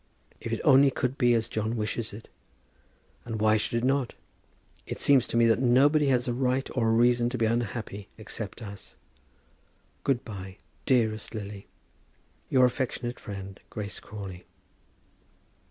If it only could be as John wishes it! And why should it not? It seems to me that nobody has a right or a reason to be unhappy except us. Good by, dearest Lily, Your affectionate friend, GRACE CRAWLEY.